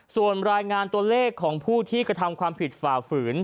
ส่วนรายงานตัวเลขของผู้ที่กระทำความผิดฝ่าฝืน